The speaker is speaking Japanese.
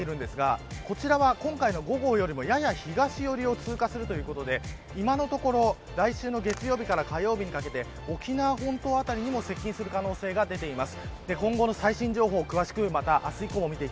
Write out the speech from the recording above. そこで進路が出ているんですがこちらは今回の５号よりも東寄りを通過するということで今のところ、来週の月曜日から火曜日にかけて沖縄本島あたりも接近する可能性があります。